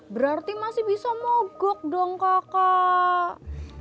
berarti masih bisa mogok dong kakak